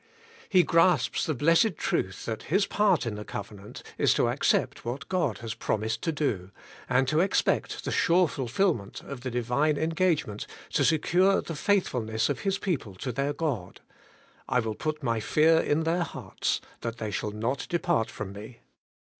He grasps the blessed truth that his part in the covenant is to accept what God has promised to do, and to expect the sure fulfilment of the Divine en gagement to secure the faithfulness of His people to their God: 'I will put my fear in their hearts, that they shall not depart from me.